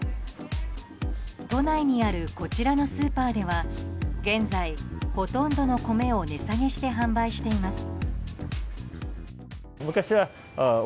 都内にあるこちらのスーパーでは現在、ほとんどの米を値下げして販売しています。